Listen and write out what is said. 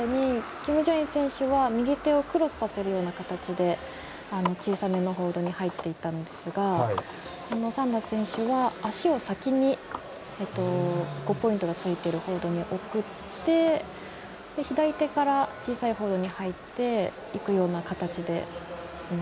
キム・ジャイン選手は右手をクロスさせる形で小さめのホールドに入っていったんですがサンダース選手は、足を先に５ポイントがついているホールドに送って左手から小さいホールドに入っていくような形ですね。